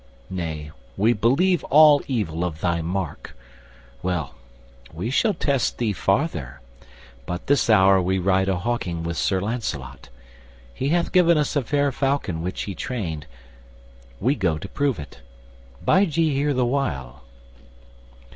Nay—we believe all evil of thy Mark— Well, we shall test thee farther; but this hour We ride a hawking with Sir Lancelot. He hath given us a fair falcon which he trained; We go to prove it. Bide ye here the while."